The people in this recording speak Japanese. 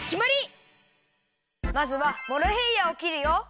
まずはモロヘイヤをきるよ！